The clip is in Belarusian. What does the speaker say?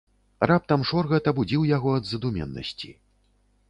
Раптам шоргат абудзіў яго ад задуменнасці.